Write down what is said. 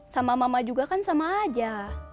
sama mama juga kan sama aja